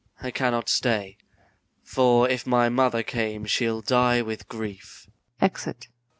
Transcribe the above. MATHIAS. I cannot stay; for, if my mother come, She'll die with grief. [Exit.